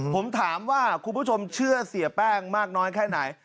ผมถามว่าคุณผู้ชมเชื่อเสียแป้งมากน้อยแค่ไหน